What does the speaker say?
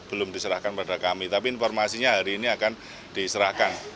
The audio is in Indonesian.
belum diserahkan pada kami tapi informasinya hari ini akan diserahkan